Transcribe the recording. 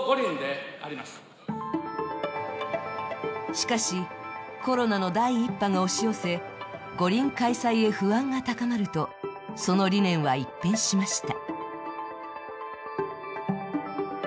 しかし、コロナの第１波が押し寄せ五輪開催へ不安が高まるとその理念は一変しました。